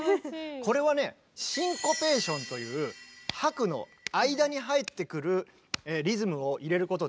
これはねシンコペーションという拍の間に入ってくるリズムを入れることで。